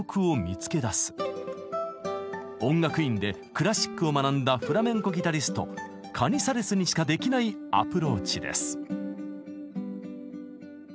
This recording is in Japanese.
音楽院でクラシックを学んだフラメンコギタリストカニサレスにしかできないアプローチです。